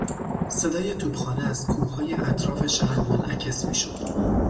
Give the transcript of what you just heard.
صدای توپخانه از کوههای اطراف شهر منعکس میشد.